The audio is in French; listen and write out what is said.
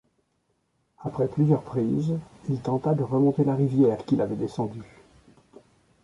Après plusieurs prises, il tenta de remonter la rivière qu'il avait descendue.